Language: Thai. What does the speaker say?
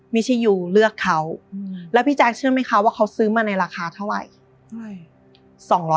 ไม่ใช่ยูเลือกเขาแล้วพี่แจ๊คเชื่อไหมคะว่าเขาซื้อมาในราคาเท่าไหร่